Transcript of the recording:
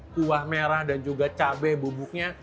kuah merah dan juga cabai bubuknya